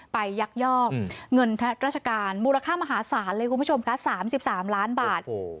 ยักยอกเงินราชการมูลค่ามหาศาลเลยคุณผู้ชมคะ๓๓ล้านบาท